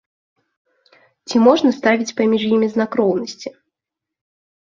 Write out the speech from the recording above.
Ці можна ставіць паміж імі знак роўнасці?